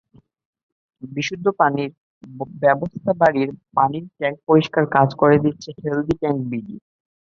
বিশুদ্ধ পানির ব্যবস্থাবাড়ির পানির ট্যাংক পরিষ্কারের কাজ করে দিচ্ছে হেলদি ট্যাংক বিডি।